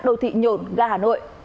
đô thị nhổn gà hà nội